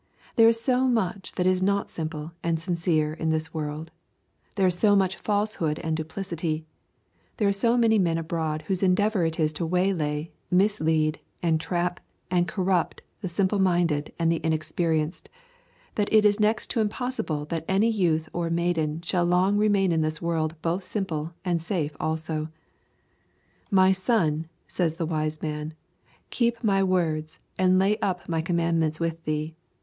There is so much that is not simple and sincere in this world; there is so much falsehood and duplicity; there are so many men abroad whose endeavour is to waylay, mislead, entrap, and corrupt the simple minded and the inexperienced, that it is next to impossible that any youth or maiden shall long remain in this world both simple and safe also. My son, says the Wise Man, keep my words, and lay up my commandments with thee.